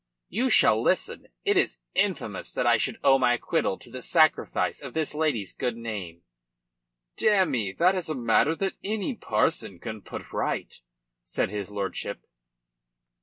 "You shall listen. It is infamous that I should owe my acquittal to the sacrifice of this lady's good name." "Damme! That is a matter that any parson can put right," said his lordship.